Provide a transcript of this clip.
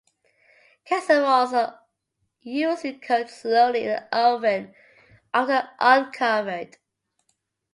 Casseroles are usually cooked slowly in the oven, often uncovered.